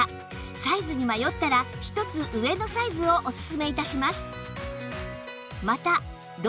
サイズに迷ったら１つ上のサイズをおすすめ致します